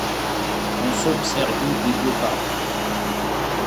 On s'observait des deux parts.